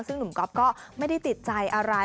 ซึ่งหนุ่มก๊อฟก็ไม่ได้ติดใจอะไร